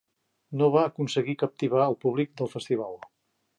No va aconseguir captivar el públic del festival.